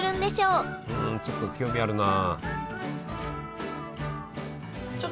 うんちょっと興味あるな。